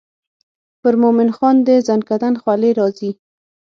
پر مومن خان د زکندن خولې راځي.